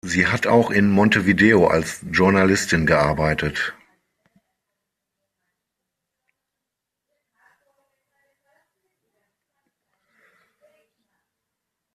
Sie hat auch in Montevideo als Journalistin gearbeitet.